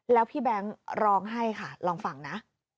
แล้วพี่แบงค์ร้องให้ค่ะลองฟังนะ